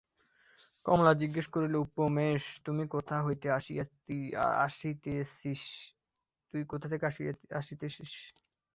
কমলা জিজ্ঞাসা করিল, উমেশ, তুই কোথা হইতে আসিতেছিস?